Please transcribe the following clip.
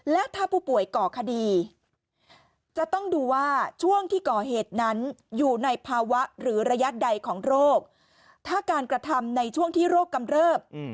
และถ้าผู้ป่วยก่อคดี